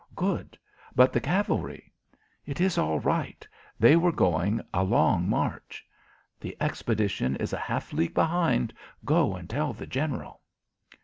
"Good. But the cavalry?" "It is all right. They were going a long march." "The expedition is a half league behind. Go and tell the general."